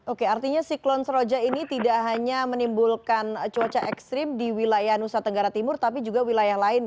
oke artinya siklon seroja ini tidak hanya menimbulkan cuaca ekstrim di wilayah nusa tenggara timur tapi juga wilayah lain